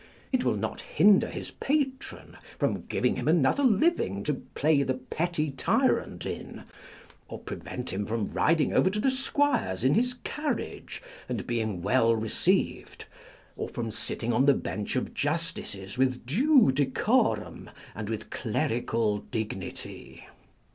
It will not hinder his patron from giving him another living to play the petty tyrant in, or prevent him from riding over to the Squire's in his carriage and being well received, or from sitting on the bench of Justices with due decorum and with clerical dignity.